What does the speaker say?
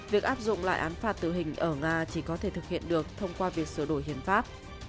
việc áp dụng lại án phạt tử hình ở nga chỉ có thể thực hiện được thông qua việc sửa đổi hiến pháp